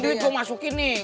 duit gua masukin nih